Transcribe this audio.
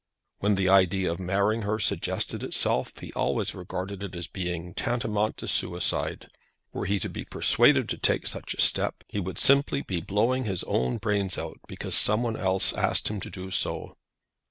When the idea of marrying her suggested itself, he always regarded it as being tantamount to suicide. Were he to be persuaded to such a step he would simply be blowing his own brains out because someone else asked him to do so.